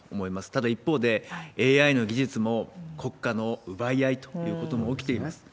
ただ一方で、ＡＩの技術も、国家の奪い合いということも起きています。